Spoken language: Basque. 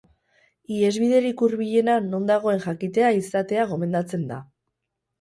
Ihes biderik hurbilena non dagoen jakitea izatea gomendatzen da.